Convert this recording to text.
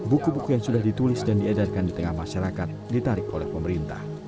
buku buku yang sudah ditulis dan diedarkan di tengah masyarakat ditarik oleh pemerintah